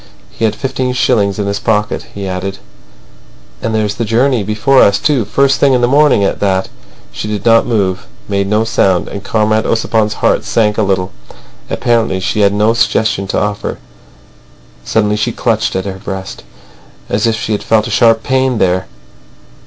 He had fifteen shillings in his pocket. He added: "And there's the journey before us, too—first thing in the morning at that." She did not move, made no sound, and Comrade Ossipon's heart sank a little. Apparently she had no suggestion to offer. Suddenly she clutched at her breast, as if she had felt a sharp pain there.